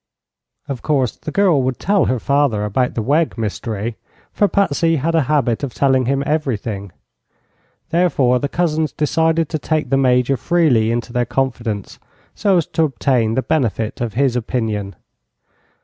Of course, the girl would tell her father about the Wegg mystery, for Patsy had a habit of telling him everything; therefore the cousins decided to take the Major freely into their confidence, so as to obtain the benefit of his opinion.